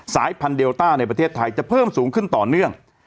สายพันธุเดลต้าในประเทศไทยจะเพิ่มสูงขึ้นต่อเนื่อง